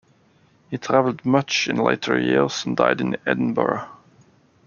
He travelled much in later years and died in Edinburgh.